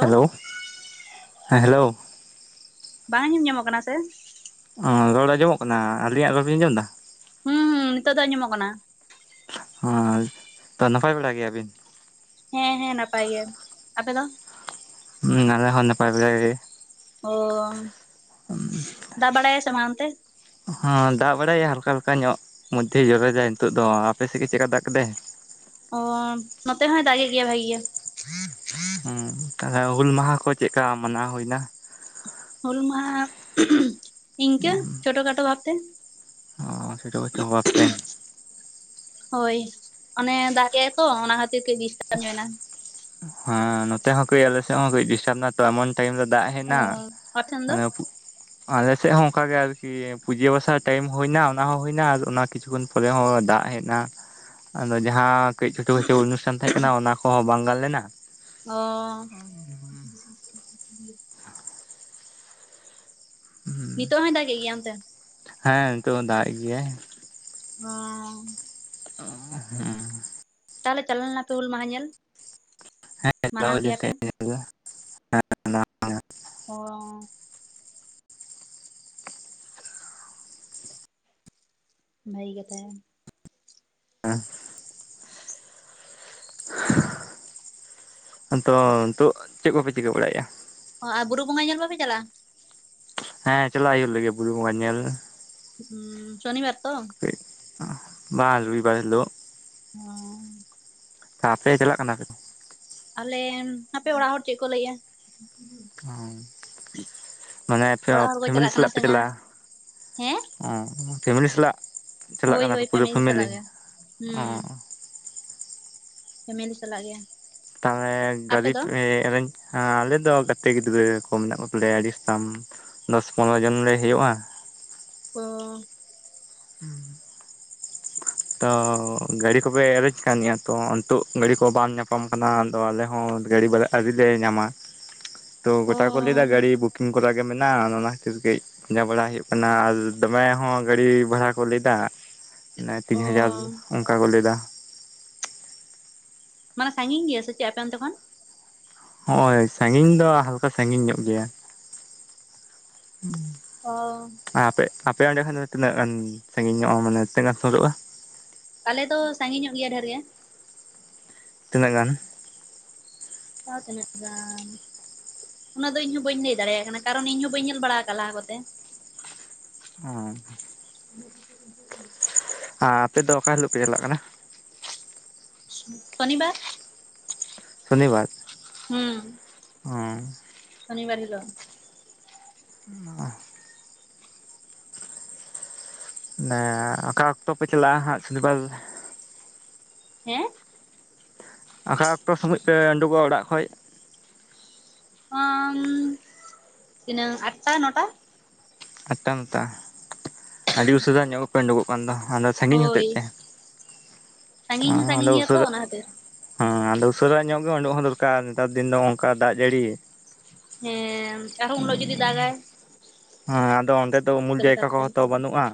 Hello ᱦᱮᱸ hello ᱵᱟᱝ ᱟᱡᱸᱚᱢ ᱧᱟᱢᱚᱜ ᱠᱟᱱᱟ ᱥᱮ? ᱚ ᱨᱚᱲ ᱟᱸᱡᱚᱢᱚᱜ ᱠᱟᱱᱟ ᱟᱹᱞᱤᱧᱟᱜ ᱵᱟᱵᱤᱱ ᱟᱸᱡᱚᱢ ᱮᱫᱟ? ᱦᱩᱸ-ᱦᱩᱸ ᱱᱤᱛᱚᱜ ᱫᱚ ᱟᱸᱡᱚᱢᱚᱜ ᱠᱟᱱᱟ᱾ ᱚᱸ ᱛᱚ ᱱᱟᱯᱟᱭ ᱵᱟᱲᱟ ᱜᱮᱭᱟᱵᱤᱱ? ᱦᱮᱸ-ᱦᱮᱸ ᱱᱟᱯᱟᱭ ᱜᱮ ᱟᱯᱮ ᱫᱚᱼᱼ ᱦᱩᱸ ᱟᱞᱮ ᱦᱚᱸ ᱱᱟᱯᱟᱭ ᱵᱟᱲᱟ ᱜᱮ᱾ ᱳᱻ ᱩᱸᱦ ᱫᱟᱜ ᱵᱟᱲᱟᱭᱟᱭ ᱥᱮ ᱵᱟᱝ ᱚᱱᱛᱮ? ᱦᱮᱸ ᱫᱟᱜ ᱵᱟᱲᱟᱭᱟ ᱦᱟᱞᱠᱟ-ᱦᱟᱞᱠᱟ ᱧᱚᱜ ᱢᱚᱫᱽᱫᱷᱮᱭ ᱡᱚᱨᱚᱭᱫᱟᱭ ᱱᱤᱛᱚᱜ ᱫᱚ, ᱟᱯᱮᱥᱮᱫ ᱜᱮ ᱪᱮᱫ ᱠᱟ ᱫᱟᱜ ᱠᱮᱫᱟᱭ? ᱚᱸ ᱱᱚᱛᱮ ᱦᱚᱸᱭ ᱫᱟᱜᱮᱫ ᱜᱮᱭᱟ ᱵᱷᱟᱜᱤ ᱜᱮ᱾ ᱛᱟᱦᱚᱞᱮ ᱦᱩᱞ ᱢᱟᱦᱟ ᱠᱚ ᱪᱮᱫᱠᱟ ᱢᱟᱱᱟᱣ ᱦᱩᱭᱮᱱᱟ? ᱦᱩᱞ ᱢᱟᱦᱟ ᱤᱱᱠᱟᱹ ᱪᱷᱳᱴ-ᱠᱷᱟᱴᱳ ᱵᱷᱟᱵᱛᱮ᱾ [unintelligible] ᱦᱚᱨ ᱛᱮ᱾ ᱦᱳᱭ ᱚᱱᱮ ᱫᱟᱜ ᱜᱮᱜᱟᱭ ᱛᱚ ᱚᱱᱟ ᱠᱷᱟᱹᱛᱤᱨ ᱛᱮ ᱰᱤᱥᱴᱟᱵ ᱧᱚᱜ ᱮᱱᱟ᱾ ᱦᱮᱸ ᱱᱚᱛᱮ ᱦᱚᱸ ᱠᱟᱹᱡ ᱟᱞᱮᱥᱮᱫ ᱦᱚᱸ ᱠᱟᱹᱡ ᱰᱤᱥᱴᱟᱵ ᱱᱟ ᱛᱚ, ᱮᱢᱚᱱᱼᱼ ᱴᱟᱭᱤᱢ ᱨᱮ ᱫᱟᱜ ᱦᱮᱡ ᱚ ᱮᱱᱟ, ᱟᱯᱮ ᱴᱷᱮᱱ ᱫᱚ ᱟᱫᱚ ᱟᱞᱮᱥᱮᱫ ᱦᱚᱸ ᱚᱱᱠᱟ ᱜᱮ ᱟᱨᱠᱤ ᱯᱩᱡᱟᱹ ᱵᱟᱥᱟᱼᱼ ᱴᱟᱭᱤᱢ ᱦᱩᱭᱱᱟ ᱚᱱᱟ ᱦᱚᱸ ᱦᱩᱭᱱᱟ ᱚᱱᱟ ᱠᱤᱪᱷᱩᱜᱟᱱ ᱯᱚᱨᱮ ᱦᱚᱸ ᱫᱟᱜ ᱦᱮᱸᱡ ᱮᱱᱟ, ᱟᱫᱚ ᱡᱟᱦᱟᱸᱼᱼ ᱠᱟᱹᱡ ᱪᱷᱳᱴᱳ ᱠᱟᱪᱷᱩ ᱚᱱᱩᱴᱷᱟᱱ ᱛᱟᱦᱮᱸ ᱠᱟᱱᱟ ᱚᱱᱟ ᱠᱚᱦᱚᱸ ᱵᱟᱝ ᱜᱟᱱ ᱞᱮᱱᱟ᱾ ᱚᱸᱻ ᱱᱤᱛᱚᱜ ᱦᱚᱸᱭ ᱫᱟᱜᱮᱫ ᱜᱮᱭᱟ ᱚᱱᱛᱮ? ᱦᱮᱸ ᱱᱤᱛᱚᱜ ᱦᱚ ᱫᱟᱜ ᱮᱫ ᱜᱮᱭᱟᱭ᱾ ᱚᱸ [unintelligible] ᱦᱩᱸ ᱛᱟᱦᱞᱮ ᱪᱟᱞᱟ ᱞᱮᱱᱟᱯᱮ ᱦᱩᱞ ᱢᱟᱦᱟ ᱧᱮᱞ? ᱦᱮᱸ ᱪᱟᱞᱟᱣ ᱢᱟᱱᱟᱣ ᱦᱳᱭ ᱞᱮᱱ ᱠᱮᱜᱼᱟ ᱯᱮ ᱛᱟᱦᱮᱸᱜ [unintelligible] ᱚᱸ ᱵᱷᱟᱹᱜᱤ [unintelligible] ᱦᱮᱸ ᱦᱮᱸ ᱛᱳ ᱱᱤᱛᱚᱜ ᱪᱮᱜ ᱠᱚᱯᱮ ᱪᱤᱠᱟᱹ ᱵᱟᱲᱟᱭᱮᱜ-ᱟ? ᱚᱸ ᱟᱨ ᱵᱩᱨᱩ ᱵᱚᱸᱜᱟ ᱧᱮᱞ ᱵᱟᱯᱮ ᱪᱟᱞᱟᱣ-ᱟ? ᱦᱮᱸ ᱪᱟᱞᱟᱜ ᱦᱩᱭᱩᱜ ᱞᱟᱹᱜᱤᱜ ᱵᱩᱨᱩ ᱵᱚᱸᱜᱟ ᱧᱮᱞ᱾ ᱦᱩᱸ ᱥᱚᱱᱤᱵᱟᱨ ᱛᱚ, [unintelligible] ᱵᱟᱝ ᱨᱩᱵᱤᱵᱟᱨ ᱦᱤᱞᱳᱜ, ᱦᱚᱸ ᱟᱯᱮ ᱪᱟᱞᱟᱜ ᱠᱟᱱᱟ ᱯᱮ? ᱟᱞᱮ-ᱱ ᱦᱟᱯᱮ ᱚᱲᱟᱜ ᱦᱚᱲ ᱪᱮᱜ ᱠᱚ ᱞᱟᱹᱭ ᱮᱜ-ᱟ᱾ ᱢᱟᱱᱮ ᱚᱲᱟᱜ ᱦᱚᱲ ᱠᱚ ᱯᱷᱮᱢᱮᱞᱤ ᱪᱟᱞᱟᱜ ᱠᱟᱱᱟ ᱥᱮ ᱵᱟᱝᱟ᱾ ᱦᱮᱸ ᱚᱸ ᱯᱷᱮᱢᱮᱞᱤ ᱥᱟᱞᱟᱜ ᱪᱟᱞᱟᱜ ᱦᱳᱭ ᱠᱟᱱᱟ ᱠᱚ ᱦᱳᱭ ᱯᱩᱨᱟᱹ ᱯᱷᱮᱢᱮᱞᱤ, ᱥᱟᱞᱟᱜ ᱜᱮ ᱦᱩᱸ ᱚᱸ ᱯᱷᱮᱢᱮᱞᱤ ᱥᱟᱞᱟᱜ ᱜᱮ᱾ ᱛᱟᱦᱚᱞᱮ ᱟᱯᱮ ᱜᱟᱨᱤᱯ ᱫᱚ? ᱮᱸ ᱮᱨᱮᱸᱧᱡᱼᱼ ᱦᱟᱸ ᱟᱞᱮ ᱫᱚ ᱜᱟᱛᱮ ᱜᱤᱫᱽᱨᱟᱹ ᱠᱚ ᱢᱮᱱᱟᱜ ᱠᱚᱛᱟᱞᱮᱭᱟ ᱟᱹᱰᱤ ᱟᱥᱛᱟᱢ ᱫᱚᱥ-ᱯᱚᱱᱨᱚ ᱡᱚᱱ ᱞᱮ ᱦᱳᱭᱩᱜ-ᱟ᱾ ᱚᱻ ᱦᱩᱸ ᱛᱚ ᱜᱟᱹᱰᱤ ᱠᱚᱯᱮ ᱮᱨᱮᱡ ᱠᱟᱱ ᱜᱮᱭᱟ ᱛᱚ ᱱᱤᱛᱚᱜ ᱜᱟᱹᱰᱤ ᱠᱚ ᱵᱟᱢ ᱧᱟᱯᱟᱢ ᱠᱟᱱᱟ ᱟᱫᱚ ᱟᱞᱮ ᱦᱚᱸᱼᱼ ᱜᱟᱹᱲᱤ ᱵᱟᱞᱟ ᱟᱹᱣᱨᱤ ᱞᱮ ᱧᱟᱢᱟ [inaudible] ᱛᱚ ᱜᱚᱴᱟ ᱠᱚ ᱞᱟᱹᱭᱫᱟ ᱜᱟᱹᱲᱤ ᱵᱩᱠᱤᱝ ᱠᱚᱨᱟ ᱜᱮ ᱢᱮᱱᱟᱜᱼᱟ ᱚᱱᱟ ᱚᱱᱟ ᱠᱷᱟᱹᱛᱤᱨ ᱠᱟᱹᱡᱼᱼ ᱯᱟᱸᱡᱟ ᱵᱟᱲᱟ ᱦᱩᱭᱩᱜ ᱠᱟᱱᱟ ᱟᱨ ᱫᱚᱢᱮ ᱦᱚᱸ ᱜᱟᱹᱲᱤ ᱵᱷᱟᱲᱟ ᱠᱚ ᱞᱮᱭᱫᱟ ᱛᱤᱱ ᱚ ᱦᱟᱡᱟᱨ ᱚᱝᱠᱟ ᱠᱚ ᱞᱟᱹᱭᱫᱟ ᱢᱟᱱᱮ ᱥᱟᱺᱜᱤᱧ ᱜᱮᱭᱟ ᱥᱮ ᱪᱮᱜ ᱟᱯᱮ ᱚᱱᱛᱮ ᱠᱷᱚᱱᱼᱼ ᱦᱳᱭ ᱥᱟᱺᱜᱤᱧ ᱫᱚ ᱦᱟᱞᱠᱟ ᱥᱟᱺᱜᱤᱧ ᱧᱚᱜ ᱜᱮᱭᱟ ᱚᱻ ᱟᱨ ᱟᱯᱮ ᱟᱯᱮ ᱚᱸᱰᱮ ᱠᱷᱟᱱ ᱫᱚ ᱛᱤᱱᱟᱹᱜ ᱜᱟᱱ ᱥᱟᱺᱜᱤᱧᱚᱜᱼᱟ ᱢᱟᱱᱮ ᱛᱤᱱᱟᱹᱜ ᱥᱩᱨᱩᱜᱼᱟ ᱟᱞᱮ ᱫᱚ ᱥᱟᱺᱜᱤᱧᱚᱜ ᱜᱮᱭᱟ ᱰᱷᱮᱨ ᱜᱮᱼᱼ ᱛᱤᱱᱟᱹᱜ ᱜᱟᱱᱼᱼ ᱛᱟᱣ ᱛᱤᱱᱟᱹᱜ ᱜᱟᱱᱼᱼ ᱩᱱᱟᱜ ᱫᱚ ᱤᱧ ᱦᱚᱸ ᱵᱟᱹᱧ ᱞᱮᱭ ᱫᱟᱲᱮᱭᱟᱜ ᱠᱟᱱᱟ ᱠᱟᱨᱚᱱ ᱤᱧ ᱦᱚᱸ ᱵᱟᱹᱧ ᱧᱮᱞ ᱵᱟᱲᱟ ᱟᱠᱟᱜᱼᱟ ᱞᱟᱦᱟ ᱠᱚ ᱛᱮᱼᱼ ᱚᱻ [inaudible] [unintelligible] ᱟᱯᱮ ᱫᱚ ᱚᱠᱟ ᱦᱤᱞᱳᱜ ᱯᱮ ᱪᱟᱞᱟᱜ ᱠᱟᱱᱟ ᱥᱚᱱᱤᱵᱟᱨ ᱥᱚᱱᱤᱵᱟᱨ ᱦᱩᱸ ᱚᱸ ᱥᱚᱱᱤ ᱵᱟᱨ ᱦᱤᱞᱳᱜ ᱚ ᱱᱮ ᱚᱠᱟ ᱚᱠᱛᱚ ᱯᱮ ᱪᱟᱞᱟᱜᱼᱟ ᱦᱟᱸᱜ ᱥᱚᱱᱤᱵᱟᱨᱼᱼ ᱦᱮᱸ ᱚᱠᱟ ᱚᱠᱛᱚ ᱥᱚᱢᱚᱡ ᱯᱮ ᱩᱸᱰᱩᱠᱚᱜᱼᱟ ᱚᱲᱟᱜ ᱠᱷᱚᱡᱼᱼ ᱟᱻᱢ ᱛᱤᱱᱟᱹᱜ ᱟᱴᱴᱟ ᱱᱚᱴᱟᱼᱼ ᱟᱴᱴᱟ ᱱᱚᱴᱟ ᱟᱹᱰᱤ ᱩᱥᱟᱹᱨᱟ ᱧᱚᱜᱚᱜ ᱯᱮ ᱩᱸᱰᱩᱜᱚᱜᱼᱼ ᱠᱚᱸᱫᱚ ᱦᱟᱸᱰᱮ ᱥᱟᱺᱜᱤᱧ ᱦᱳᱭ ᱦᱚᱛᱮᱡ ᱛᱮ ᱥᱟᱺᱜᱤᱧ ᱦᱚᱸ ᱚᱸᱰᱮ ᱥᱟᱺᱜᱤᱧ ᱜᱮᱭᱟ ᱛᱚ ᱩᱥᱟᱹᱨᱟᱜᱼᱼ ᱚᱱᱟ ᱠᱷᱟᱹᱛᱤᱨ ᱦᱮᱸ ᱟᱫᱚ ᱩᱥᱟᱹᱨᱟ ᱧᱚᱜ ᱜᱮ ᱳᱸᱰᱳᱜ ᱦᱚᱸ ᱫᱚᱨᱠᱟᱨ ᱱᱮᱛᱟᱨ ᱫᱤᱱ ᱫᱚ ᱚᱝᱠᱟ ᱫᱟᱜ ᱡᱟᱹᱲᱤᱼᱼ ᱦᱮᱸ ᱟᱨᱦᱚᱸ ᱩᱱ ᱦᱤᱞᱚᱜ ᱡᱩᱫᱤ ᱫᱟᱜᱟᱭᱼᱼ ᱦᱮᱸ ᱟᱫᱚ ᱚᱸᱰᱮ ᱫᱚ ᱩᱢᱩᱞ ᱡᱟᱭᱜᱟ ᱠᱚ ᱞᱮᱠᱟᱛᱮᱢ ᱛᱚ ᱪᱟᱞᱟᱜᱼᱟ? ᱵᱟᱹᱱᱩᱜᱼᱟ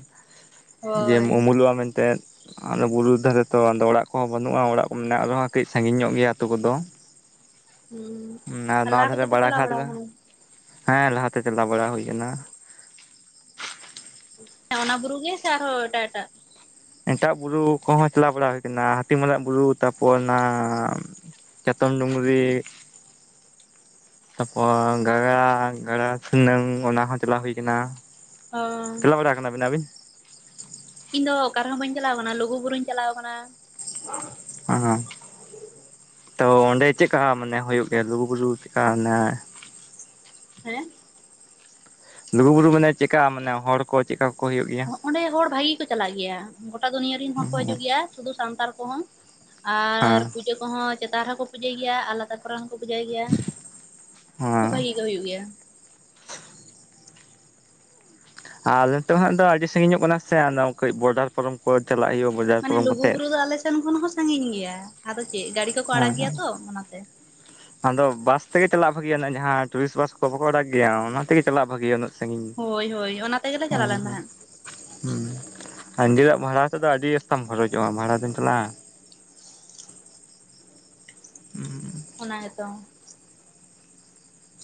ᱡᱮᱢ ᱦᱳᱭ ᱩᱢᱩᱞᱚᱜᱼᱟ ᱢᱮᱱ ᱛᱮᱫᱼᱼ ᱟᱫᱚ ᱵᱩᱨᱩ ᱫᱷᱟᱨᱮ ᱛᱚ ᱟᱫᱚ ᱚᱲᱟᱜ ᱠᱚ ᱦᱚᱸ ᱵᱟᱹᱱᱩᱜᱼᱟ ᱚᱲᱟᱜ ᱠᱚ ᱢᱮᱱᱟᱜ ᱨᱮᱦᱚᱸ ᱠᱟᱹᱡ ᱥᱟᱺᱜᱤᱧ ᱧᱚᱜ ᱜᱮᱭᱟ ᱟᱹᱛᱩ ᱠᱚᱫᱚ ᱾ ᱦᱩᱸ ᱦᱩᱸ ᱱᱚᱣᱟ ᱟᱨ ᱱᱚᱣᱟ ᱞᱟᱦᱟ ᱫᱷᱟᱨᱮ ᱠᱚᱫᱚ ᱯᱮ ᱵᱟᱲᱟ ᱪᱟᱞᱟᱣ ᱠᱷᱟᱛ ᱵᱟᱲᱟᱣ ᱫᱚ ᱠᱟᱱᱟ? ᱦᱮᱸ ᱞᱟᱦᱟ ᱛᱮ ᱪᱟᱞᱟᱣ ᱵᱟᱲᱟ ᱦᱩᱭ ᱠᱟᱱᱟ ᱾ ᱦᱮᱸ ᱚᱱᱟ ᱵᱩᱨᱩ ᱜᱮ ᱥᱮ ᱟᱨ ᱦᱚᱸ ᱮᱴᱟᱜ ᱮᱴᱟᱜ? ᱮᱴᱟᱜ ᱵᱩᱨᱩ ᱠᱚ ᱦᱚᱸ ᱪᱟᱞᱟᱣ ᱵᱟᱲᱟ ᱦᱩᱭ ᱟᱠᱟᱱᱟ ᱦᱟᱹᱛᱤᱢᱟᱨᱟᱜ ᱵᱩᱨᱩ ᱛᱟᱨᱯᱚᱨ ᱚᱱᱟᱼᱼ ᱪᱮᱛᱚᱱ ᱰᱩᱝᱨᱤᱼᱼ ᱛᱟᱯᱚᱨ ᱜᱟᱜᱟᱲ ᱜᱟᱰᱟ ᱥᱩᱱᱟᱹᱢ ᱚᱱᱟ ᱦᱚᱸ ᱪᱟᱞᱟᱣ ᱦᱩᱭ ᱟᱠᱟᱱᱟ ᱚ ᱾ ᱪᱟᱞᱟᱣ ᱵᱟᱲᱟ ᱠᱟᱱᱟ ᱵᱮᱱ ᱟᱹᱵᱤᱱ? ᱤᱧ ᱫᱚ ᱚᱠᱟ ᱨᱮ ᱦᱚᱸ ᱵᱟᱹᱧ ᱪᱟᱞᱟᱣ ᱟᱠᱟᱱᱟ ᱞᱩᱜᱩᱵᱩᱨᱩᱧ ᱪᱟᱞᱟᱣ ᱟᱠᱟᱱᱟ ᱾ ᱦᱮᱸ ᱛᱚ ᱚᱸᱰᱮ ᱪᱮᱫᱠᱟ ᱢᱟᱱᱮ ᱦᱩᱭᱩᱜ ᱜᱮᱭᱟ ᱞᱩᱜᱩᱼᱵᱩᱨᱩ ᱪᱮᱫᱠᱟ ᱚᱱᱮᱼᱼ ᱦᱮᱸᱜ ᱞᱩᱜᱩᱼᱵᱩᱨᱩ ᱢᱟᱱᱮ ᱪᱮᱫᱠᱟ ᱢᱟᱱᱮ ᱦᱚᱲ ᱠᱚ ᱪᱮᱫᱠᱟ ᱠᱚ ᱦᱮᱡᱩᱜ ᱜᱮᱭᱟ? ᱚᱸᱰᱮ ᱦᱚᱲ ᱵᱷᱟᱜᱮ ᱠᱚ ᱪᱟᱞᱟᱜ ᱜᱮᱭᱟ ᱜᱳᱴᱟ ᱫᱩᱱᱤᱭᱟᱹ ᱨᱮᱱ ᱦᱚᱲ ᱠᱚ ᱦᱮᱸ ᱦᱤᱡᱩᱜ ᱜᱮᱭᱟ ᱥᱩᱫᱷᱩ ᱥᱟᱱᱛᱟᱲ ᱠᱚᱦᱚᱸ ᱾ ᱟᱨ ᱯᱩᱡᱟᱹ ᱠᱚ ᱦᱚᱸ ᱪᱮᱛᱟᱱ ᱨᱮ ᱦᱚᱸ ᱠᱚ ᱯᱩᱡᱟᱹ ᱜᱮᱭᱟ [unintelligible] ᱠᱚᱨᱮ ᱦᱚᱸᱠᱚ ᱯᱩᱡᱟᱹᱭ ᱜᱮᱭᱟ, ᱠᱷᱩᱵ ᱦᱮᱸ ᱵᱷᱟᱜᱤ ᱜᱮ ᱦᱩᱭᱩᱜ ᱜᱮᱭᱟ ᱾ ᱟᱨ ᱱᱤᱛᱚᱜ ᱦᱟᱸᱜ ᱫᱚ ᱟᱹᱰᱤ ᱥᱟᱺᱜᱤᱧᱚᱜ ᱠᱟᱱᱟ ᱥᱮ ᱟᱫᱚ ᱠᱟᱹᱡ ᱵᱚᱰᱟᱨ ᱯᱚᱨᱚᱢ ᱠᱚ ᱪᱟᱞᱟᱜ ᱦᱩᱭᱩᱜ ᱢᱟᱱᱮ ᱞᱩᱜᱩ ᱵᱩᱨᱩ ᱫᱚ ᱟᱞᱮ ᱥᱮᱱ ᱠᱷᱚᱱ ᱦᱚᱸ ᱥᱟᱺᱜᱤᱧ ᱜᱮᱭᱟ, ᱟᱫᱚ ᱪᱮᱫ ᱜᱟᱹᱰᱤ ᱠᱚᱠᱚ ᱦᱮᱸ ᱟᱲᱟᱜ ᱜᱮᱭᱟ ᱦᱮᱸ ᱛᱚ ᱚᱱᱟᱛᱮ ᱾ ᱟᱫᱚ ᱵᱟᱥ ᱛᱮᱜᱮ ᱪᱟᱞᱟᱜ ᱵᱷᱟᱜᱮᱭᱟ? ᱡᱟᱦᱟᱸ ᱴᱩᱨᱤᱥᱴ ᱵᱟᱥ ᱠᱚ ᱵᱟᱠᱚ ᱟᱲᱟᱜ ᱜᱮᱭᱟ ᱚᱱᱟᱛᱮᱜᱮ ᱪᱟᱞᱟᱜ ᱵᱷᱟᱜᱮᱭᱟ? ᱦᱳᱭ ᱦᱳᱭ ᱚᱱᱟ ᱛᱮᱜᱮᱞᱮ ᱪᱟᱞᱟᱣ ᱞᱮᱱ ᱛᱟᱦᱮᱸᱱ ᱾ ᱦᱩᱸ ᱱᱤᱡᱮᱨᱟᱜ ᱵᱷᱟᱲᱟ ᱛᱮᱫᱚ ᱟᱹᱰᱤ ᱟᱥᱛᱟᱢ ᱠᱷᱚᱨᱚᱪᱚᱜᱼᱟ ᱵᱷᱟᱲᱟ ᱫᱚᱧ ᱪᱟᱞᱟᱜᱼᱟ, ᱩᱸ ᱚᱱᱟ ᱜᱮᱛᱚ᱾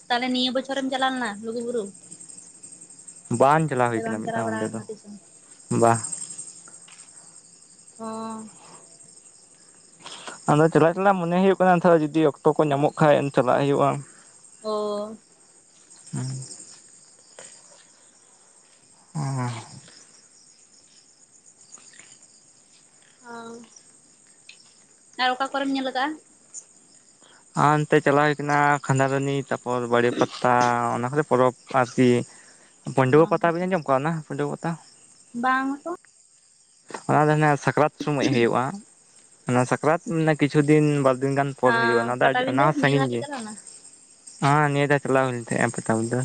ᱛᱟᱦᱚᱞᱮ ᱱᱤᱭᱟᱹ ᱵᱚᱪᱚᱨᱮᱢ ᱪᱟᱞᱣ ᱞᱮᱱᱟ ᱞᱩᱜᱩᱵᱩᱨᱩ? ᱵᱟᱝ ᱪᱟᱞᱟᱣ ᱥᱮ ᱦᱩᱭ ᱵᱟᱢ ᱠᱟᱱᱟ ᱢᱤᱫ ᱪᱟᱞᱟᱣ ᱫᱷᱟᱣ ᱵᱟᱲᱟ ᱚᱸᱰᱮ ᱫᱚ, ᱟᱠᱟᱱᱟ ᱛᱤᱥᱦᱚᱸ? ᱵᱟ ᱚ᱾ ᱟᱫᱚ ᱪᱟᱞᱟᱜ ᱪᱟᱞᱟᱜ ᱢᱚᱱᱮ ᱦᱩᱭᱩᱜ ᱠᱟᱱᱟ ᱡᱩᱫᱤ ᱚᱠᱛᱚ ᱠᱚ ᱧᱟᱢᱚᱜ ᱠᱷᱟᱡ ᱪᱟᱞᱟᱜ ᱦᱩᱭᱩᱜᱼᱟ ᱾ ᱚ᱾ ᱦᱩᱸ᱾ ᱚᱸ᱾ ᱚᱝ ᱟᱨ ᱚᱠᱟ ᱠᱚᱨᱮᱢ ᱧᱮᱞ ᱠᱟᱟᱜᱼᱟ? ᱟᱨ ᱚᱱᱛᱮ ᱪᱟᱞᱟᱣ ᱦᱩᱭ ᱠᱟᱱᱟ ᱠᱷᱟᱸᱫᱷᱟᱨᱟᱱᱤ ᱛᱟᱯᱚᱨ ᱵᱟᱲᱮ ᱯᱟᱛᱟ ᱚᱱᱟ ᱠᱚᱨᱮ ᱯᱚᱨᱚᱵᱽ ᱟᱨᱠᱤ ᱯᱟᱹᱰᱣᱟᱹ ᱯᱟᱛᱟ ᱵᱤᱱ ᱟᱸᱡᱚᱢ ᱠᱟᱜ ᱚᱱᱟ ᱯᱟᱹᱱᱰᱣᱟᱹ ᱯᱟᱛᱟ? ᱵᱟᱝ ᱦᱚᱛᱚ ᱾ ᱚᱱᱟ ᱫᱚ ᱱᱮ ᱥᱟᱠᱨᱟᱛ ᱥᱚᱢᱳᱡ ᱦᱩᱭᱩᱜᱼᱟ ᱾ ᱚᱱᱟ ᱥᱟᱠᱨᱟᱛ ᱚᱱᱮ ᱠᱤᱪᱷᱩ ᱫᱤᱱ ᱵᱟᱨ ᱫᱤᱱ ᱜᱟᱱ ᱯᱚᱨ ᱦᱩᱭᱩᱜᱼᱟ ᱚᱱᱟ ᱫᱚ, ᱚᱱᱟ ᱯᱟᱴᱟᱵᱤᱸᱫᱟᱹ ᱦᱚᱸ ᱱᱤᱭᱟᱹ ᱫᱷᱟᱣ ᱥᱟᱺᱜᱤᱧ ᱯᱮ ᱜᱮ᱾ ᱪᱟᱞᱟᱣ ᱞᱮᱱᱟ? ᱦᱮᱸ ᱱᱤᱭᱟᱹ ᱫᱷᱟᱣ ᱪᱟᱞᱟᱣ ᱦᱩᱭ ᱞᱮᱱ ᱛᱟᱦᱮᱸᱱᱟ ᱯᱟᱴᱟ ᱵᱤᱸᱫᱟᱹ,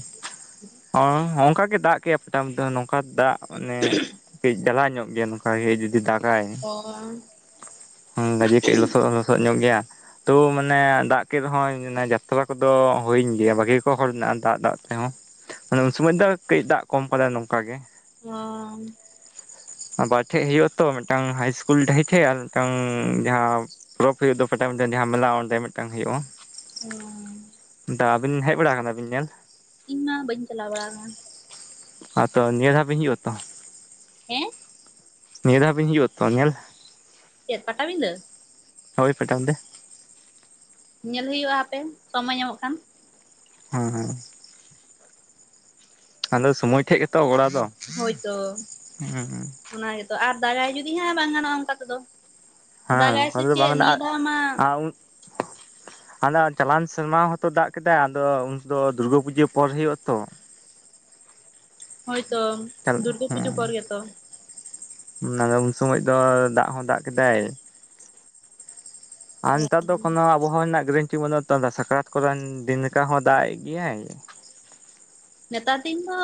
ᱚ ᱚᱱᱠᱟ ᱜᱮ ᱫᱟᱜ ᱠᱮᱫ ᱟᱭ ᱯᱟᱴᱟ ᱵᱤᱸᱫᱟᱹ ᱚᱝᱠᱟ ᱫᱟᱜ ᱢᱟᱱᱮ ᱠᱟᱹᱡ ᱡᱟᱞᱟ ᱧᱚᱜ ᱜᱮᱭᱟ ᱱᱚᱝᱠᱟ ᱜᱮ ᱡᱩᱫᱤ ᱫᱟᱜ ᱟᱭ ᱚ ᱦᱩᱸ ᱜᱟᱡᱮ ᱠᱟᱹᱡ ᱞᱚᱥᱚᱫ ᱞᱚᱥᱚᱫ ᱧᱚᱜ ᱜᱮᱭᱟ ᱾ ᱛᱚ ᱢᱟᱱᱮ ᱫᱟᱜ ᱠᱮᱫ ᱨᱮᱦᱚᱸᱭ ᱡᱟᱛᱨᱟ ᱠᱚᱫᱚ ᱦᱩᱭᱮᱧ ᱜᱮᱭᱟ ᱵᱷᱟᱜᱤ ᱠᱚ ᱦᱚᱲ ᱢᱮᱱᱟᱜᱼᱟ ᱫᱟᱜ ᱫᱟᱜ ᱛᱮᱦᱚᱸ᱾ ᱢᱟᱱᱮ ᱩᱱ ᱥᱚᱢᱚᱭ ᱫᱚ ᱠᱟᱹᱡ ᱫᱟᱜ ᱠᱚᱢ ᱠᱟᱫᱟᱭ ᱱᱚᱝᱠᱟ ᱜᱮ ᱾ ᱚ᱾ ᱵᱟᱨ ᱴᱷᱮᱡ ᱦᱩᱭᱩᱜᱼᱟ ᱛᱚ ᱢᱤᱫᱴᱟᱝ ᱦᱟᱭ ᱤᱥᱠᱩᱞ ᱰᱟᱹᱦᱤ ᱴᱷᱮᱡ ᱟᱨ ᱢᱤᱫᱴᱟᱝ ᱡᱟᱦᱟᱸ ᱯᱚᱨᱚᱵᱽ ᱦᱩᱭᱩᱜ ᱫᱚ ᱡᱟᱦᱟᱸ ᱯᱟᱴᱟ ᱵᱤᱸᱫᱟᱹ ᱡᱟᱦᱟᱸ ᱢᱮᱞᱟ ᱚᱸᱰᱮ ᱢᱤᱫᱴᱟᱝ ᱦᱩᱭᱩᱜᱼᱟ ᱾ ᱚ᱾ ᱰᱟ ᱟᱹᱵᱤᱱ ᱦᱮᱡ ᱵᱟᱲᱟ ᱠᱟᱱᱟ ᱵᱤᱱ ᱧᱮᱞ? ᱤᱧ ᱢᱟ ᱵᱟᱹᱧ ᱪᱟᱞᱟᱣ ᱵᱟᱲᱟ ᱠᱟᱱ ᱾ ᱟᱛᱚ ᱱᱤᱭᱟᱹ ᱫᱷᱟᱣ ᱵᱤᱱ ᱦᱤᱡᱤᱜ ᱟᱛᱚ? ᱦᱮᱸ? ᱱᱤᱭᱟᱹ ᱫᱷᱟᱣ ᱵᱤᱱ ᱦᱤᱡᱩᱜᱼᱟ ᱛᱚ ᱧᱮᱞ? ᱪᱮᱫ ᱯᱟᱴᱟᱵᱤᱫᱟᱹ? ᱦᱳᱭ ᱯᱟᱴᱟᱵᱤᱸᱫᱟᱹ ᱧᱮᱞ ᱦᱩᱭᱩᱜᱼᱟ ᱦᱟᱯᱮᱱ ᱥᱚᱢᱚᱭ ᱧᱟᱢᱚᱜ ᱠᱷᱟᱱ᱾ ᱦᱩᱸ ᱦᱩᱸ ᱟᱫᱚ ᱥᱚᱢᱚᱭ ᱴᱷᱮᱡ ᱜᱮᱛᱚ ᱜᱚᱲᱟ ᱫᱚ᱾ ᱦᱳᱭᱛᱚ ᱦᱮᱸ ᱦᱮᱸ ᱚᱱᱟ ᱜᱮᱛᱚ ᱟᱨ ᱫᱟᱨᱟᱭ ᱡᱩᱫᱤ ᱦᱮᱸ ᱵᱟᱝ ᱜᱟᱱᱚᱜᱼᱟ ᱚᱱᱠᱟ ᱛᱮᱫᱚ᱾ ᱦᱮᱸ ᱫᱟᱜᱟᱭ ᱱᱚᱝᱠᱟ ᱥᱮ ᱫᱚ ᱵᱟᱝ ᱪᱮᱫ ᱠᱟᱱᱟ ᱱᱤᱭᱟᱹ ᱫᱷᱟᱣ ᱢᱟ ᱦᱟᱸᱱᱮ ᱪᱞᱟᱣᱮᱱ ᱥᱮᱨᱢᱟ ᱦᱚᱸᱛᱚ ᱫᱟᱜ ᱠᱮᱫᱟᱭ ᱟᱫᱚ ᱩᱱᱫᱚ ᱫᱩᱨᱜᱟᱹ ᱯᱩᱡᱟᱹ ᱯᱚᱨ ᱦᱩᱭᱩᱜ ᱟᱛᱚ᱾ ᱦᱳᱭᱛᱚ ᱦᱮᱸ ᱫᱩᱨᱜᱟᱹ ᱯᱩᱡᱟᱹ ᱯᱚᱨ ᱜᱮᱛᱚ᱾ ᱟᱫᱚ ᱩᱱ ᱥᱚᱢᱚᱡ ᱫᱚ ᱫᱟᱜ ᱦᱚᱸ ᱫᱟᱜ ᱠᱮᱫᱟᱭ, ᱟᱨ ᱱᱮᱛᱟᱨ ᱫᱚ ᱠᱳᱱᱳ ᱟᱵᱚᱦᱟᱣᱟ ᱨᱮᱱᱟᱜ ᱜᱮᱨᱮᱱᱴᱤ ᱵᱟᱹᱱᱩᱜ ᱱᱤᱛ ᱫᱚ ᱥᱟᱠᱨᱟᱛ ᱠᱚᱨᱮᱱ ᱫᱤᱱ ᱞᱮᱠᱟ ᱦᱚᱸ ᱫᱟᱜ ᱮᱫ ᱜᱮᱭᱟᱭ᱾ ᱱᱮᱛᱟᱨ ᱫᱤᱱ ᱫᱚ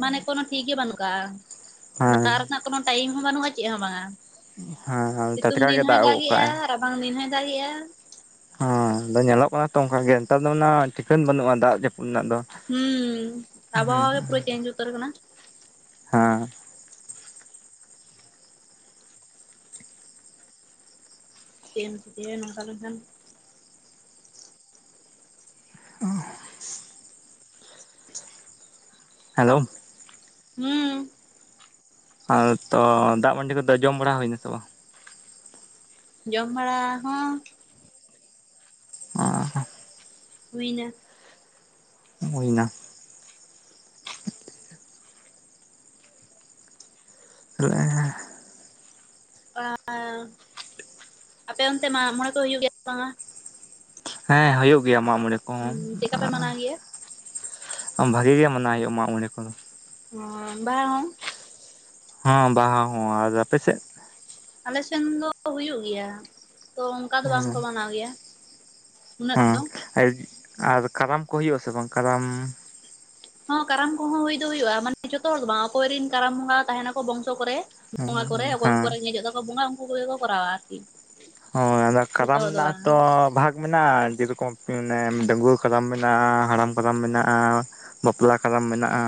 ᱢᱟᱱᱮ ᱠᱳᱱᱚ ᱴᱷᱤᱠ ᱜᱮ ᱵᱟᱹᱱᱩᱜ ᱟᱠᱟᱫᱟ ᱦᱮᱸ ᱟᱨ ᱨᱮᱱᱟᱜ ᱠᱚᱱᱳ ᱴᱟᱭᱤᱢ ᱦᱚᱸ ᱵᱟᱹᱱᱩᱜᱼᱟ ᱪᱮᱫ ᱦᱚᱸ ᱵᱟᱝ-ᱟ᱾ ᱦᱮᱸ ᱦᱮᱸ ᱥᱤᱛᱩᱝ ᱴᱟᱴᱠᱟ ᱜᱮ ᱫᱤᱱ ᱦᱚᱭ ᱫᱟᱜ ᱚᱜ ᱠᱟᱜᱼᱟᱭ᱾ ᱫᱟᱜᱮᱜᱼᱟ ᱨᱟᱵᱟᱝ ᱫᱤᱱ ᱦᱚᱭ ᱫᱟᱜ ᱮᱭᱟᱜᱼᱟ᱾ ᱦᱮᱸ ᱟᱫᱚ ᱧᱮᱞᱚᱜ ᱠᱟᱱᱟ ᱛᱚ ᱚᱱᱠᱟ ᱜᱮ ᱱᱮᱛᱟᱨ ᱫᱚ ᱚᱱᱟ ᱴᱷᱤᱠᱟᱹᱱ ᱵᱟᱹᱱᱩᱜᱼᱟ ᱫᱟᱜ ᱡᱟᱯᱩᱫ ᱨᱮᱱᱟᱜ ᱫᱚ᱾ ᱦᱩᱸ ᱦᱮᱸ ᱟᱵᱚᱦᱟ ᱜᱮ ᱯᱩᱨᱟᱹ ᱪᱮᱧᱡᱽ ᱩᱛᱟᱨ ᱠᱟᱱᱟ᱾ ᱦᱮᱸ ᱪᱤᱠᱟ. ᱭᱮᱱ ᱛᱟᱯᱮᱭᱟᱭ ᱱᱚᱝᱠᱟ ᱞᱮᱠᱷᱟᱱ᱾ [unintelligible] ᱦᱮᱞᱳ ᱦᱩᱸ ᱦᱮᱸ ᱛᱚ ᱫᱟᱜ ᱢᱟᱹᱰᱤ ᱠᱚᱫᱚ ᱡᱚᱢ ᱵᱟᱲᱟ ᱦᱩᱭᱮᱱᱟ ᱥᱮ ᱵᱟᱝ? ᱡᱚᱢ ᱵᱟᱲᱟ ᱦᱚᱸ᱾ ᱚ ᱦᱩᱭᱮᱱᱟ᱾ ᱦᱩᱭᱮᱱᱟ᱾ [unintelligible] [unintelligible] ᱟᱯᱮ ᱚᱱᱛᱮ ᱢᱟᱜ ᱢᱚᱬᱮ ᱠᱚ ᱦᱩᱭᱩᱜ ᱜᱮᱭᱟ ᱥᱮ ᱵᱟᱝ-ᱟ? ᱦᱮᱸ ᱦᱩᱭᱩᱜ ᱜᱮᱭᱟ ᱢᱟᱜ ᱢᱚᱬᱮ ᱦᱩᱸ ᱪᱮᱫᱠᱟ ᱯᱮ ᱢᱟᱱᱟᱣ ᱜᱮᱭᱟ ᱠᱚᱦᱚᱸ᱾ ᱵᱷᱟᱜᱤ ᱜᱮ ᱢᱟᱱᱟᱣ ᱦᱩᱭᱩᱜ ᱜᱮᱭᱟ ᱢᱟᱜ ᱢᱚᱬᱮ ᱠᱚᱫᱚ ᱾ ᱚ ᱵᱟᱦᱟ ᱦᱚᱸ ᱦᱮᱸ ᱵᱟᱦᱟ ᱦᱚᱸ ᱟᱨ ᱟᱯᱮ ᱥᱮᱫ? ᱟᱞᱮᱥᱮᱱ ᱫᱚ ᱦᱩᱭᱩᱜ ᱜᱮᱭᱟ, ᱛᱚ ᱚᱱᱠᱟ ᱫᱚ ᱦᱮᱸ ᱵᱟᱝᱠᱚ ᱢᱟᱱᱟᱣ ᱜᱮᱭᱟ᱾ ᱩᱱᱟᱹᱜ ᱦᱮᱸ ᱫᱚ ᱟᱨ, ᱟᱨ ᱠᱟᱨᱟᱢ ᱠᱚ ᱦᱩᱭᱩᱜ ᱟᱥᱮ ᱵᱟᱝ ᱠᱟᱨᱟᱢ? ᱦᱚ ᱠᱟᱨᱟᱢ ᱠᱚᱦᱚᱸ ᱦᱩᱭ ᱫᱚ ᱦᱩᱭᱩᱜᱼᱟ, ᱢᱟᱱᱮ ᱡᱷᱚᱛᱚ ᱦᱚᱲ ᱫᱚ ᱵᱟᱝ ᱚᱠᱚᱭ ᱨᱮᱱ ᱠᱟᱨᱟᱢ ᱵᱚᱸᱜᱟ ᱛᱟᱦᱮᱱᱟ ᱠᱚ ᱵᱚᱝᱥᱚ ᱠᱚᱨᱮ᱾ ᱦᱮᱸ ᱵᱚᱸᱜᱟ ᱠᱚᱨᱮ ᱚᱠᱚᱭ ᱠᱚᱨᱮ ᱨᱮᱸᱜᱮᱡᱽ ᱚᱜ ᱛᱟᱠᱚ ᱵᱚᱸᱜᱟ ᱩᱱᱠᱩ ᱠᱚᱜᱮ ᱠᱚ ᱠᱚᱨᱟᱣᱟ ᱟᱨᱠᱤ᱾ ᱦᱳᱭ, ᱟᱫᱚ ᱡᱚᱛᱚ ᱠᱟᱨᱟᱢ ᱦᱚᱲ ᱫᱚ ᱨᱮᱱᱟᱜ ᱵᱟᱝᱟ ᱦᱚᱛᱚ ᱵᱷᱟᱜ ᱢᱮᱱᱟᱜᱼᱟ, ᱡᱮᱨᱚᱠᱚᱢ ᱢᱟᱱᱮ ᱰᱟ. ᱝᱜᱩᱣᱟᱹ ᱠᱟᱨᱟᱢ ᱢᱮᱱᱟᱜᱼᱟ ᱦᱟᱲᱟᱢ ᱠᱟᱨᱟᱢ ᱢᱮᱱᱟᱜᱼᱟ, ᱵᱟᱯᱞᱟ ᱠᱟᱨᱟᱢ ᱢᱮᱱᱟᱜᱼᱟ᱾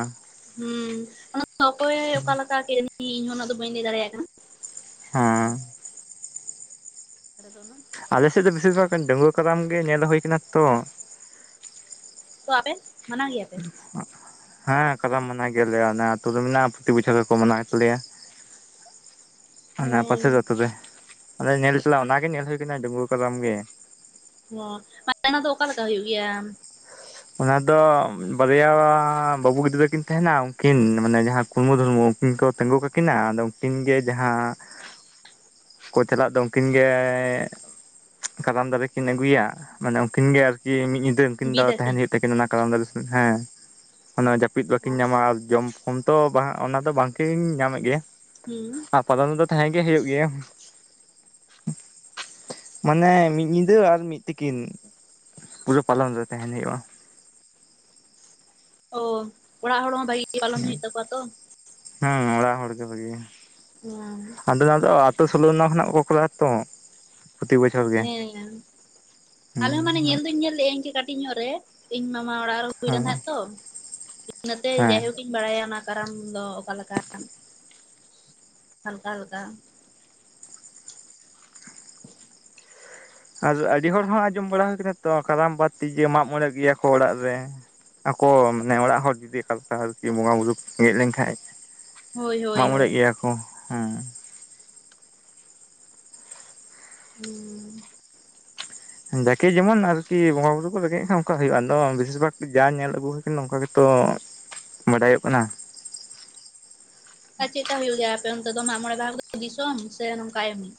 ᱦᱩᱸ ᱚᱱᱟ ᱚᱠᱚᱭ ᱚᱠᱟᱞᱮ ᱞᱮᱠᱟ ᱠᱤ ᱡᱟᱱᱤ ᱚᱱᱟ ᱫᱚ ᱵᱟᱹᱧ ᱞᱟᱹᱭ ᱫᱟᱲᱮᱭᱟᱜ ᱠᱟᱱᱟ᱾ ᱦᱮᱸ [unintelligible] ᱟᱞᱮ ᱥᱮᱫ ᱫᱚ ᱵᱤᱥᱤᱨ ᱵᱷᱟᱜᱽ ᱰᱟ. ᱝᱜᱩᱣᱟᱹ ᱠᱟᱨᱟᱢ ᱜᱮ ᱧᱮᱞ ᱦᱩᱭ ᱠᱟᱱᱟ ᱛᱚ᱾ ᱛᱚ ᱟᱵᱮᱱ ᱦᱮᱸ ᱠᱟᱨᱟᱢ ᱢᱟᱱᱟᱭ ᱜᱮᱭᱟ ᱟᱞᱮᱭᱟ ᱟᱞᱮ ᱟᱹᱛᱩ ᱨᱮ ᱢᱮᱱᱟᱜᱼᱟ ᱯᱨᱚᱛᱤ ᱵᱚᱪᱷᱚᱨ ᱜᱮᱠᱚ ᱢᱟᱱᱟᱣ ᱛᱟᱞᱮᱭᱟ᱾ ᱚᱱᱟ ᱦᱚᱸ ᱯᱟᱥᱮᱨ ᱟᱛᱩ ᱨᱮ, [unintelligible] ᱚᱱᱟ ᱜᱮ ᱧᱮᱞ ᱦᱩᱭ ᱟᱠᱟᱱᱟ ᱚᱱᱟᱜ ᱜᱮ ᱧᱮᱞ ᱦᱩᱭ ᱠᱟᱱᱟ ᱰᱟ. ᱝᱜᱩᱣᱟ. ᱠᱚᱟᱨᱟᱢ ᱜᱮ᱾ ᱚᱦ [unintelligible] ᱫᱚ ᱚᱠᱟᱞᱮᱠᱟ ᱦᱩᱭᱩᱜ? ᱚᱱᱟ ᱫᱚ ᱵᱟᱨᱭᱟ ᱵᱟᱹᱵᱩ ᱜᱤᱫᱽᱨᱟᱹ ᱠᱤᱱ ᱛᱟᱦᱮᱱᱟ ᱩᱱᱠᱤᱱ ᱢᱟᱱᱮ ᱡᱟᱦᱟᱸ ᱠᱩᱨᱢᱩ ᱫᱷᱚᱨᱢᱩ᱾ ᱠᱤᱱ ᱠᱚ ᱛᱤᱸᱜᱩ ᱠᱟᱠᱤᱱᱟ ᱟᱫᱚ ᱩᱱᱠᱤᱱ ᱜᱮ ᱡᱟᱦᱟᱸ [inaudible] ᱠᱚ ᱪᱟᱞᱟᱜ ᱫᱚ ᱩᱱᱠᱤᱱ ᱜᱮ ᱠᱟᱨᱟᱢ ᱫᱟᱨᱮ ᱠᱤᱱ ᱟᱹᱜᱩᱭᱟ ᱢᱟᱱᱮ ᱩᱱᱠᱤᱱ ᱜᱮ ᱟᱨᱠᱤ ᱢᱤᱫ ᱧᱤᱫᱟᱹ ᱩᱱᱠᱤᱱ ᱫᱚ ᱵᱤᱫ ᱟᱹᱠᱤᱱ? ᱛᱟᱦᱮᱸᱱ ᱦᱩᱭᱩᱜ ᱛᱟᱹᱠᱤᱱᱟ ᱠᱟᱨᱟᱢ ᱦᱮᱸ ᱡᱟᱹᱯᱤᱫ ᱵᱟᱹᱠᱤᱱ ᱧᱟᱢᱟ ᱟᱨ ᱡᱚᱢ ᱯᱷᱚᱢ ᱛᱚ ᱵᱟᱝ, ᱚᱱᱟ ᱫᱚ ᱵᱟᱝᱠᱤᱱ ᱧᱟᱢᱮᱫ ᱜᱮᱭᱟ ᱦᱩᱸ ᱟᱯᱟᱛᱚᱛᱚ ᱫᱚ ᱛᱟᱦᱮᱸ ᱜᱮ ᱦᱩᱭᱩᱜ ᱜᱮᱭᱟ᱾ ᱢᱟᱱᱮ ᱢᱤᱫ ᱧᱤᱫᱟᱹ ᱟᱨ ᱢᱤᱫᱼᱼ ᱛᱤᱠᱤᱱ ᱯᱩᱨᱟᱹ ᱯᱟᱞᱚᱱ ᱨᱮ ᱛᱟᱦᱮᱸᱱ ᱦᱩᱭᱩᱜᱼᱟ᱾ ᱚ ᱚᱲᱟᱜ ᱦᱚᱲ ᱦᱚᱸ ᱵᱷᱟᱜᱤ ᱜᱮ ᱯᱟᱞᱚᱱ ᱦᱩᱭᱩᱜ ᱛᱟᱠᱚᱣᱟ ᱛᱚᱼᱼ ᱦᱮᱸ ᱚᱲᱟᱜ ᱦᱚᱲ ᱜᱮ ᱵᱷᱟᱹᱜᱤ ᱜᱮ, ᱟᱫᱚ ᱚᱱᱟ ᱫᱚ ᱟᱛᱳ ᱥᱳᱞᱳ ᱟᱱᱟ ᱠᱷᱚᱱᱟᱜ ᱠᱚ ᱠᱚᱨᱟᱣ-ᱟ᱾ ᱛᱚ᱾ ᱯᱨᱚᱛᱤ ᱵᱚᱪᱷᱚᱨ ᱜᱮ ᱦᱮᱸ, ᱟᱞᱮ ᱦᱚᱸ ᱢᱟᱱᱮ ᱦᱮᱸ ᱧᱮᱞ ᱫᱩᱧ ᱧᱮᱞ ᱞᱮᱜ ᱟᱹᱧ ᱤᱱᱠᱟᱹ ᱠᱟᱹᱴᱤᱡ ᱧᱚᱜ ᱨᱮ᱾ ᱤᱧ ᱢᱟᱢᱟ ᱚᱲᱟᱜ ᱨᱮ ᱦᱩᱭ ᱞᱮᱱ ᱦᱮᱸ ᱛᱟᱦᱮᱸᱫ ᱛᱚ, ᱤᱱᱟᱹᱛᱮ ᱡᱟᱭ ᱦᱮᱸ ᱦᱳᱠ᱾ ᱤᱧ ᱵᱟᱲᱟᱭᱟ ᱚᱱᱟ ᱠᱟᱨᱟᱢ ᱫᱚ ᱚᱠᱟ ᱞᱮᱠᱟ ᱦᱟᱞᱠᱟ ᱦᱟᱞᱠᱟ᱾ ᱟᱨ ᱟᱹᱰᱤ ᱦᱚᱲ ᱦᱚᱸ ᱟᱸᱡᱚᱢ ᱵᱟᱲᱟ ᱦᱩᱭ ᱟᱠᱟᱱᱟ ᱛᱚ ᱠᱟᱨᱟᱢ ᱵᱟᱫ ᱛᱤ ᱡᱮ ᱢᱟᱜᱽ ᱢᱚᱬᱮᱜ ᱜᱮᱭᱟ ᱠᱚ ᱚᱲᱟᱜ ᱨᱮ᱾ ᱟᱠᱚ ᱢᱟᱱᱮ ᱚᱲᱟᱜ ᱦᱚᱲ ᱡᱩᱫᱤ ᱚᱠᱟ ᱞᱮᱠᱟ ᱟᱨᱠᱤ ᱵᱚᱸᱜᱟ ᱵᱩᱨᱩ ᱠᱚ ᱦᱮᱡ ᱞᱮᱱ ᱠᱷᱟᱱ᱾ ᱦᱳᱭ ᱦᱳᱭ ᱢᱟᱜᱽ ᱦᱳᱭ ᱢᱚᱬᱮᱜ ᱜᱮᱭᱟ ᱠᱚ ᱦᱩᱸ᱾ ᱦᱩᱸ᱾ ᱡᱟᱠᱮ ᱡᱮᱢᱚᱱ ᱟᱨ ᱠᱤ ᱵᱚᱸᱜᱟ ᱵᱩᱨᱩ ᱠᱚ ᱨᱮᱜᱮᱸᱡ ᱠᱷᱟᱱ ᱚᱱᱠᱟ ᱦᱩᱭᱩᱜᱼᱟ ᱟᱫᱚ ᱵᱤᱥᱤᱨ ᱵᱷᱟᱜᱽ ᱡᱟ ᱧᱮᱞ ᱟᱹᱜᱩ ᱦᱩᱭ ᱠᱟᱱᱟ ᱚᱱᱠᱟ ᱜᱮᱛᱚ᱾ ᱵᱟᱰᱟᱭᱚᱜ ᱠᱟᱱᱟ᱾ ᱟᱨ ᱪᱮᱠᱠᱟ ᱦᱩᱭᱩᱜ ᱜᱮᱭᱟ ᱟᱯᱮ ᱚᱱᱛᱮ ᱫᱚ ᱢᱟᱜᱽ ᱢᱚᱬᱮ ᱵᱟᱦᱟ ᱫᱤᱥᱚᱢ ᱥᱮ ᱱᱚᱝᱠᱟ ᱮᱢᱱᱤ?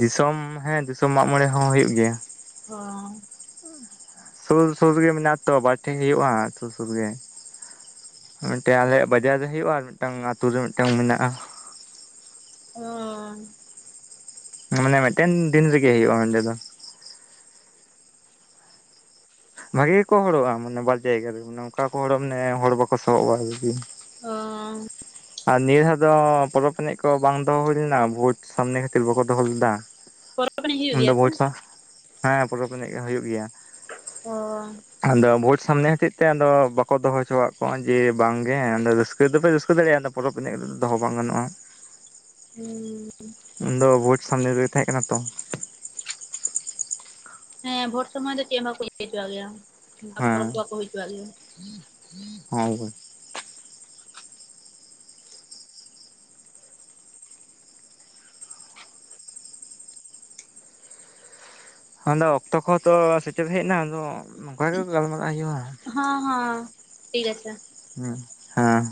ᱫᱤᱥᱚᱢ ᱦᱮᱸ ᱫᱤᱥᱚᱢ ᱢᱟᱜᱽ ᱢᱚᱬᱮ ᱦᱚᱸ ᱦᱩᱭᱩᱜ ᱜᱮᱭᱟ᱾ ᱦᱚᱸ᱾ [inaudible] ᱥᱩᱨᱼᱥᱩᱨ ᱜᱮ ᱢᱮᱱᱟᱜ-ᱟ ᱛᱚ ᱵᱟᱨ ᱴᱷᱮᱡ ᱜᱮ ᱦᱩᱭᱩᱜᱼᱟ ᱥᱩᱨᱼᱥᱩᱨ ᱜᱮ᱾ ᱢᱤᱫᱴᱟᱝ ᱟᱞᱮᱭᱟᱜ ᱵᱟᱡᱟᱨ ᱨᱮ ᱦᱩᱭᱩᱜᱼᱟ, ᱟᱨ ᱢᱤᱫᱴᱟᱝ ᱟᱛᱩ ᱨᱮ ᱢᱤᱫᱴᱟᱝ ᱢᱮᱱᱟᱜᱼᱟ᱾ ᱚᱻ ᱢᱟᱱᱮ ᱢᱤᱫᱴᱮᱱ ᱫᱤᱱ ᱨᱮᱜᱮ ᱦᱩᱭᱩᱜᱼᱟ ᱚᱸᱰᱮ ᱫᱚ᱾ ᱵᱷᱟᱜᱮ ᱜᱮᱠᱚ ᱦᱚᱲᱚᱜᱼᱟ ᱢᱟᱱᱮ ᱵᱟᱨ ᱡᱟᱭᱜᱟ ᱨᱮᱜᱮ ᱱᱟᱝᱠᱟ ᱠᱚ ᱦᱚᱲᱚᱜᱼᱟ ᱢᱟᱱᱮ ᱦᱚᱲ ᱵᱟᱠᱚ ᱥᱚᱦᱚᱵᱼᱟ ᱟᱨᱠᱤ᱾ ᱚ ᱟᱨ ᱱᱤᱭᱟᱹ ᱫᱷᱟᱣ ᱫᱚ ᱯᱚᱨᱚᱵᱽ ᱮᱱᱮᱡ ᱠᱚ ᱵᱟᱝ ᱫᱚᱦᱚ ᱦᱩᱭ ᱞᱮᱱᱟ ᱵᱷᱳᱴ ᱥᱟᱢᱱᱮ ᱠᱷᱟᱹᱛᱤᱨ ᱵᱟᱠᱚ ᱫᱚᱦᱚ ᱞᱮᱫᱟ᱾ ᱯᱚᱨᱚᱵᱽ ᱮᱱᱮᱡ ᱦᱩᱭᱩᱜ ᱩᱱᱫᱚ ᱜᱮᱭᱟ ᱥᱮ ᱵᱷᱳᱴ ᱥᱟ, ᱦᱮᱸ ᱯᱚᱨᱚᱵᱽ ᱮᱱᱮᱡ ᱦᱩᱭᱩᱜ ᱜᱮᱭᱟ᱾ ᱚᱻ ᱟᱫᱚ ᱵᱷᱳᱴ ᱥᱟᱢᱱᱮ ᱦᱚᱛᱮᱡ ᱛᱮ ᱟᱫᱚ ᱵᱟᱠᱚ ᱫᱚᱦᱚ ᱦᱚᱪᱚᱣᱟᱜ ᱠᱚᱣᱟ ᱡᱮ ᱵᱟᱝᱜᱮ ᱟᱫᱚ ᱨᱟᱹᱥᱠᱟᱹ ᱫᱚᱯᱮ ᱨᱟᱹᱥᱠᱟᱹ ᱫᱟᱲᱮᱭᱟᱜᱼᱟ, ᱟᱫᱚ ᱯᱚᱨᱚᱵᱽ ᱮᱱᱮᱡ ᱫᱚᱦᱚ ᱵᱟᱝ ᱜᱟᱱᱚᱜᱼᱟ᱾ ᱦᱩᱸᱻ ᱩᱱᱫᱚ ᱵᱷᱳᱴ ᱥᱟᱢᱱᱮ ᱨᱮᱜᱮ ᱛᱟᱦᱮᱸᱜ ᱠᱟᱱᱟ ᱛᱚ᱾ ᱦᱮᱸ ᱵᱷᱳᱴ ᱥᱚᱢᱚᱭ ᱫᱚ ᱪᱮᱫ ᱦᱚᱸ ᱵᱟᱠᱚ ᱤᱭᱟᱹ ᱦᱚᱪᱚᱣᱟᱜ ᱜᱮᱭᱟ, ᱵᱟᱠᱚ ᱯᱟᱨᱚᱵᱽ ᱠᱚ ᱦᱮᱸ ᱵᱟᱠᱚ ᱦᱩᱭ ᱦᱚᱪᱚᱣᱟᱜ ᱜᱮᱭᱟ᱾ [unintelligible] ᱟᱫᱚ ᱚᱠᱛᱚ ᱠᱚᱦᱚᱸ ᱛᱚ ᱥᱮᱴᱮᱨ ᱦᱮᱡ ᱮᱱᱟ, ᱟᱫᱚ ᱱᱚᱝᱠᱟ ᱜᱮ ᱜᱟᱞᱢᱟᱨᱟᱜ ᱦᱩᱭᱩᱜᱼᱟ᱾ ᱦᱚᱸ ᱦᱚᱸ ᱴᱷᱤᱠ ᱟᱪᱷᱮ᱾ ᱦᱩᱸ ᱦᱮᱸ᱾